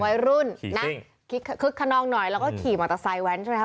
ไว้รุ่นนะขึ้นขนองหน่อยแล้วก็ขี่มาตัวไซส์แว้นใช่ไหมครับ